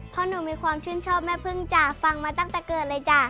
เพราะหนูมีความชื่นชอบแม่พึ่งจ้ะฟังมาตั้งแต่เกิดเลยจ้ะ